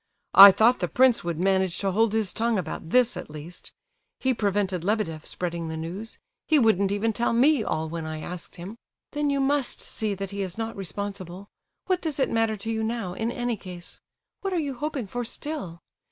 I thought the prince would manage to hold his tongue about this, at least. He prevented Lebedeff spreading the news—he wouldn't even tell me all when I asked him—" "Then you must see that he is not responsible. What does it matter to you now, in any case? What are you hoping for still?